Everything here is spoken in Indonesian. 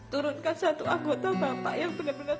turunkan satu anggota bapak yang benar benar